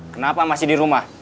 kenapa masih di rumah